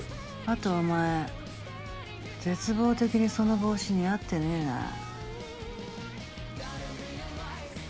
あとお前絶望的にその帽子似合ってねぇなぁ。